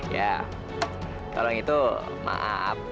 ya kalau itu maaf